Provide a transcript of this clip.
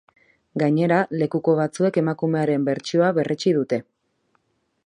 Gainera, lekuko batzuek emakumearen bertsioa berretsi dute.